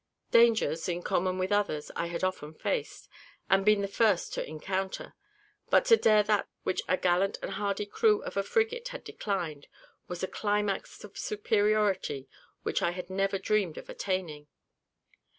Dangers, in common with others, I had often faced, and been the first to encounter; but to dare that which a gallant and hardy crew of a frigate had declined, was a climax of superiority which I had never dreamed of attaining.